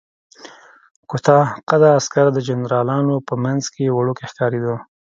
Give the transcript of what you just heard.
کوتاه قده عسکر د جنرالانو په منځ کې وړوکی ښکارېده.